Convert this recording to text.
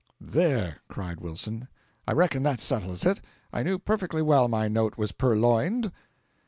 "There!" cried Wilson, "I reckon that settles it! I knew perfectly well my note was purloined."